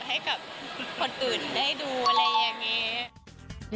ให้กับคนอื่นได้ดูอะไรอย่างนี้